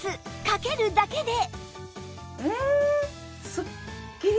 かけるだけで